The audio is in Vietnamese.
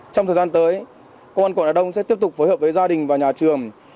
trong thời gian tới công an quận hà đông sẽ tiếp tục phối hợp với gia đình và nhà trường